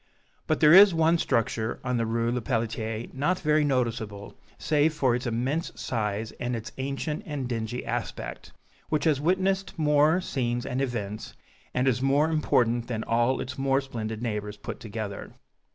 But there is one structure on the Rue Lepelletier not very noticeable save for its immense size and its ancient and dingy aspect, which has witnessed more scenes and events, and is more important than all its more splendid neighbors put together.